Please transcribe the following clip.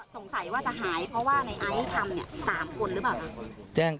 สงสัยว่าจะหายเพราะว่าในไอซ์ทำเนี่ย๓คนหรือเปล่าคะ